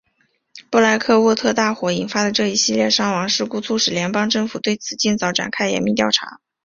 布莱克沃特大火引发的这一系列的伤亡事故促使联邦政府对此尽早展开严密调查。